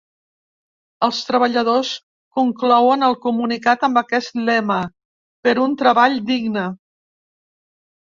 Els treballadors conclouen el comunicat amb aquest lema: Per un treball digne.